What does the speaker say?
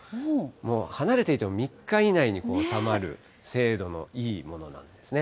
もう離れていても、３日以内に収まる精度のいいものなんですね。